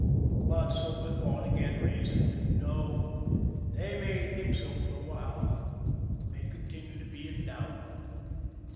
But sober thought again reasoned :" No. They may think so for a while— may continue to be in doubt.